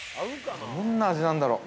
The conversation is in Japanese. ◆どんな味なんだろう。